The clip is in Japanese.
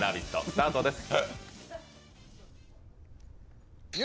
スタートです。